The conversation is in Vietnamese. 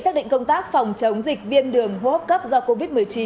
công tác phòng chống dịch viêm đường hô hấp cấp do covid một mươi chín